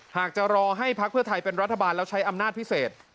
จะรอให้พักเพื่อไทยเป็นรัฐบาลแล้วใช้อำนาจพิเศษ